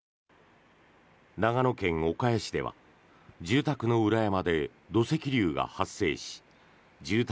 長野県岡谷市では住宅の裏山で土石流が発生し住宅